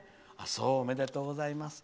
おめでとうございます。